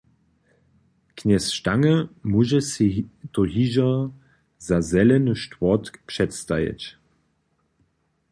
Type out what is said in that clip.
Knjez Stange móže sej to hižo za zeleny štwórtk předstajeć.